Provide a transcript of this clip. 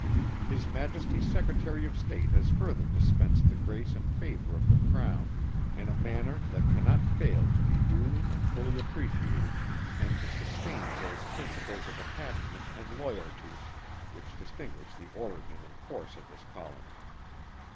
His Majesty's Secretary of State has further dispensed the grace and favour of the Crown in a manner that cannot fail to be duly and fully appreciated, and to sustain those principles of attachment, and loyalty which distinguish the origin and course of this Colony.